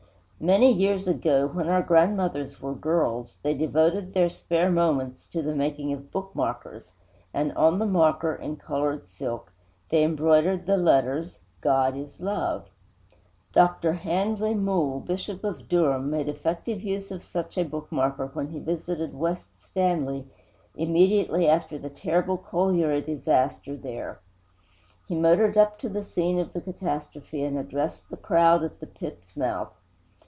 II Many years ago, when our grandmothers were girls, they devoted their spare moments to the making of bookmarkers; and on the marker, in colored silk, they embroidered the letters GOD IS LOVE. Dr. Handley Moule, Bishop of Durham, made effective use of such a bookmarker when he visited West Stanley immediately after the terrible colliery disaster there. He motored up to the scene of the catastrophe and addressed the crowd at the pit's mouth.